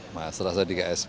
nah setelah saya di ksp